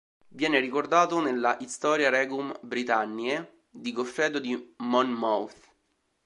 Viene ricordato nella "Historia Regum Britanniae" di Goffredo di Monmouth.